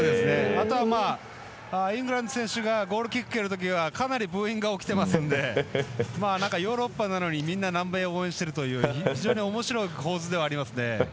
あとはイングランドの選手がゴールキック蹴る時はかなりブーイング起きてるのでヨーロッパなのにみんな、南米を応援してるという非常におもしろい構図ではありますね。